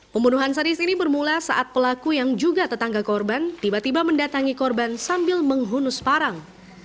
pembunuhan sadis ini bermula saat pelaku yang juga tetangga korban tiba tiba mendatangi korban sambil menghunus parang